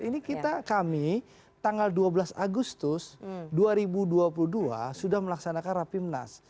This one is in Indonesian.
ini kita kami tanggal dua belas agustus dua ribu dua puluh dua sudah melaksanakan rapimnas